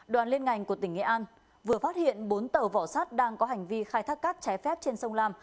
đoàn liên ngành của tỉnh nghệ an vừa phát hiện bốn tàu vỏ sát đang có hành vi khai thác cát trái phép trên sông lam